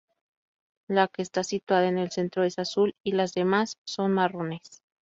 La que está situada en el centro es azul, y las demás son marrones.